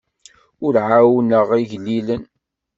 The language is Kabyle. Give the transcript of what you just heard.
Ur ɛawneɣ igellilen.